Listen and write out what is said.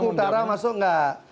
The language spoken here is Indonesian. maluku utara masuk nggak